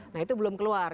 nah itu belum keluar